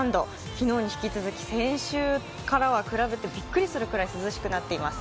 昨日に引き続き先週からは比べて、びっくりするぐらい涼しくなっています。